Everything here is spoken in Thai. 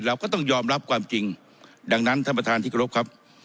เราก็ต้องยอมรับความจริงดังนั้นท่านประธานที่กรบครับ